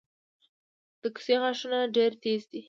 د کوسې غاښونه ډیر تېز دي